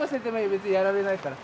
別にやられないから。